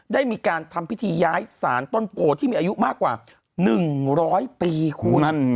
ได้มีการทำพิธีย้ายสารต้นโพที่มีอายุมากกว่า๑๐๐ปีคุณ